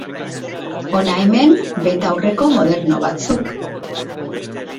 Hona hemen betaurreko moderno batzuk.